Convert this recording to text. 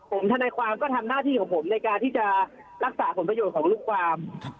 ผมทนายความก็ทำหน้าที่ของผมในการที่จะรักษาผลประโยชน์ของลูกความ